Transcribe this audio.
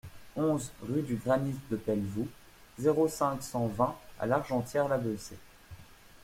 onze rue du Granit de Pelvoux, zéro cinq, cent vingt à L'Argentière-la-Bessée